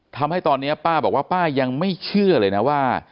ทำให้ตอนนี้ป้าบอกว่าป้ายังไม่เชื่อเลยนะว่า